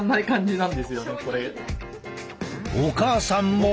お母さんも。